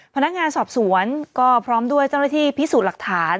พนักงานสอบสวนก็พร้อมด้วยเจ้าหน้าที่พิสูจน์หลักฐาน